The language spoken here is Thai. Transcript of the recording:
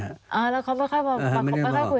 แล้วเขาไม่ค่อยคุยให้ฟัง